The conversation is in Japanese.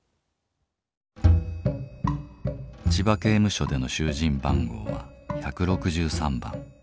千葉刑務所での囚人番号は１６３番。